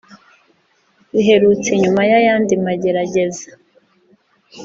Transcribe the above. riherutse inyuma y'ayandi magerageza